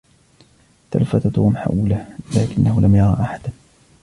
تلفت توم حوله، لكنه لم يرى أحدًا.